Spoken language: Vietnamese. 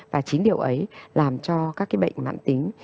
và chính điều ấy làm cho các cái bệnh mãn tính